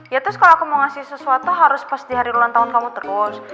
ya terus kalau aku mau ngasih sesuatu harus pas di hari ulang tahun kamu terus